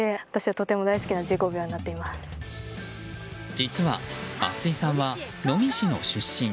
実は、松井さんは能美市の出身。